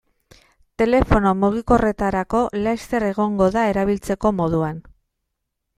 Telefono mugikorretarako laster egongo da erabiltzeko moduan.